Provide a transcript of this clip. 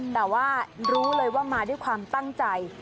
แต่ว่ารู้เลยว่ามาด้วยความตั้งใจ